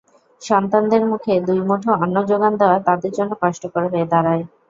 সন্তানদের মুখে দুই মুঠো অন্ন জোগান দেওয়া তাঁদের জন্য কষ্টকর হয়ে দাঁড়ায়।